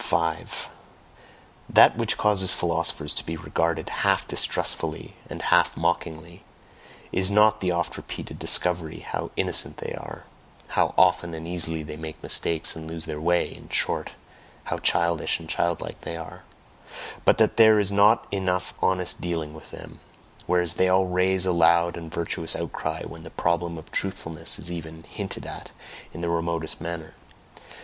5. That which causes philosophers to be regarded half distrustfully and half mockingly, is not the oft repeated discovery how innocent they are how often and easily they make mistakes and lose their way, in short, how childish and childlike they are, but that there is not enough honest dealing with them, whereas they all raise a loud and virtuous outcry when the problem of truthfulness is even hinted at in the remotest manner.